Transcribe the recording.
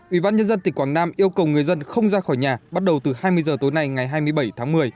ủy ban nhân dân tỉnh quảng nam yêu cầu người dân không ra khỏi nhà bắt đầu từ hai mươi giờ tối nay ngày hai mươi bảy tháng một mươi